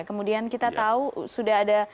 kemudian kita tahu sudah ada